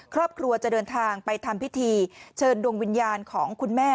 ครอบครัวจะเดินทางไปทำพิธีเชิญดวงวิญญาณของคุณแม่